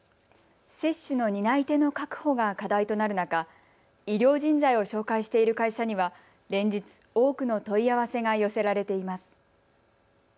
接種の担い手の確保が課題となる中、医療人材を紹介している会社には連日、多くの問い合わせが寄せられています。